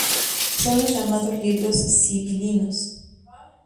Son los llamados Libros sibilinos.